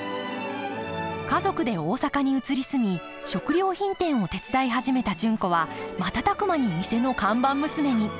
家族で大阪に移り住み食料品店を手伝い始めた純子は瞬く間に店の看板娘に。